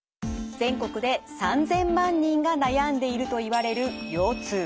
全国で３，０００万人が悩んでいるといわれる腰痛。